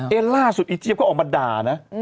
ล่าสุดอีเจี๊ยบก็ออกมาด่านะ